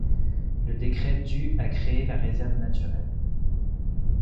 Le décret du a créé la réserve naturelle.